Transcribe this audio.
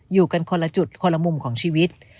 อยู่กันคนละจุดคนละมุมของชีวิต